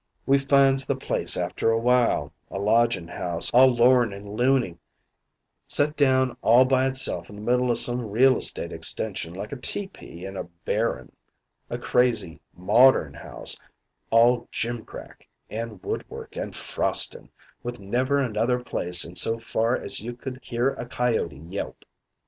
We finds the place after awhile, a lodgin' house all lorn and loony, set down all by itself in the middle o' some real estate extension like a tepee in a 'barren' a crazy 'modern' house all gimcrack and woodwork and frostin', with never another place in so far as you could hear a coyote yelp.